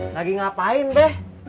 lagi ngapain deh